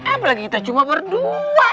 apalagi kita cuma berdua